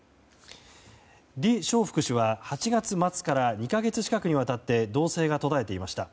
リ・ショウフク氏は８月末から２か月近くにわたって動静が途絶えていました。